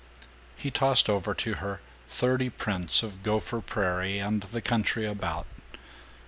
He tossed over to her thirty prints of Gopher Prairie and the country about.